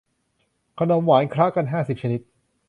ขนมหวานคละกันห้าสิบชนิด